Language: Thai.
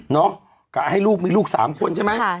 น้องกะให้ลูกมีลูกสามคนใช่ไหม